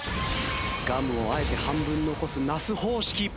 ガムをあえて半分残す那須方式。